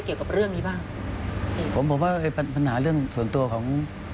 เกี่ยวกับเรื่องนี้บ้างผมผมว่าไอ้ปัญหาเรื่องส่วนตัวของ